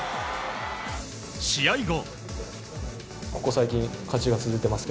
試合後。